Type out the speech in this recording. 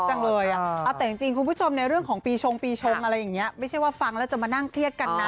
แต่คุณผู้ชมในเรื่องของปีชมไม่ใช่ว่าฟังแล้วจะมานั่งเครียดกันนะ